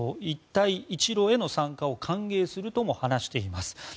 一帯一路への参加を歓迎するとも話しています。